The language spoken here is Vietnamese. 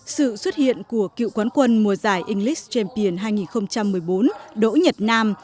sự xuất hiện của cựu quán quân mùa giải english champion hai nghìn một mươi bốn đỗ nhật nam